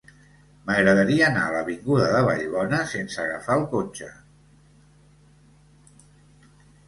M'agradaria anar a l'avinguda de Vallbona sense agafar el cotxe.